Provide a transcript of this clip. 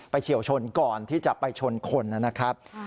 เฉียวชนก่อนที่จะไปชนคนนะครับ